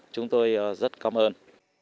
chúng tôi rất cảm ơn